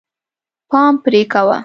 پام پرې کوه.